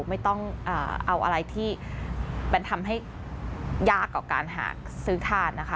ไม่ต้องเอาอะไรที่มันทำให้ยากกว่าการหาซื้อทานนะคะ